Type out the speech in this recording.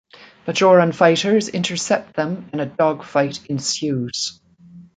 Bajoran fighters intercept them and a dogfight ensues.